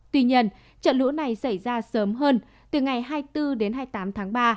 tuy nhiên trận lũ này xảy ra sớm hơn từ ngày hai mươi bốn đến hai mươi tám tháng ba